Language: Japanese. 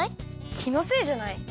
きのせいじゃない？